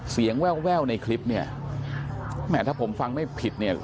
เสียงแววแววในคลิปเนี้ยแม้ถ้าผมฟังไม่ผิดเนี้ย